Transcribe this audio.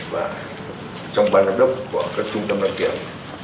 và trong ban giám đốc của các trung tâm đăng kiểm